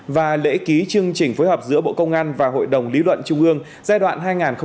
và lễ ký chương trình phối hợp giữa bộ công an và hội đồng lý luận trung ương giai đoạn hai nghìn hai mươi hai nghìn hai mươi năm